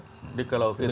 jadi kalau kita di